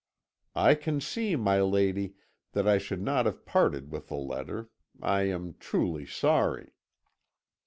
"'I can see, my lady, that I should not have parted with the letter. I am truly sorry.'